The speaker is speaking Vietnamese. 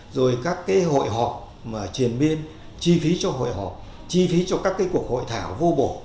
rồi các cái hội họp mà triển biên chi phí cho hội họp chi phí cho các cái cuộc hội thảo vô bổ